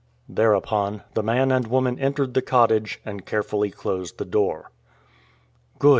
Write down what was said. Thereupon the man and woman entered the cottage, and carefully closed the door. "Good!"